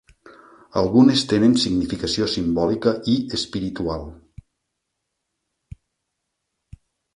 Algunes tenen significació simbòlica i espiritual.